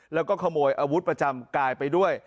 แล้วก็ขโมยอาวุธประจำกายไปด้วย